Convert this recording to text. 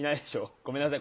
ごめんなさい。